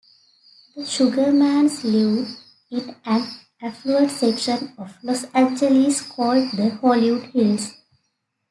The Sugermans lived in an affluent section of Los Angeles called the Hollywood Hills.